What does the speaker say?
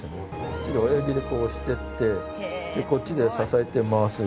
こっちで親指でこう押していってこっちで支えて回す。